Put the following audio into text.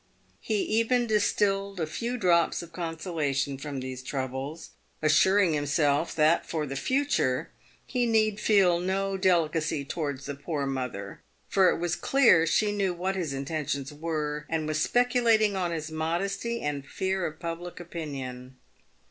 He even dis tilled a few drops of consolation from these troubles, assuring himself that, for the future, he need feel no delicacy towards the poor mother, for it was clear she knew what his intentions were, and was specu lating on his modesty and fear of public opinion.